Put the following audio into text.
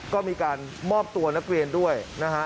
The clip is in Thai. ก็มีการมอบตัวนักเรียนด้วยนะฮะ